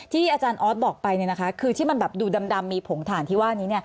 อาจารย์ออสบอกไปคือที่มันแบบดูดำมีผงถ่านที่ว่านี้